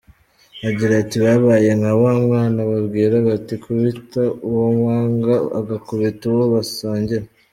Agira ati "Babaye nka wa mwana babwira bati kubita uwo wanga agakubita uwo basangira.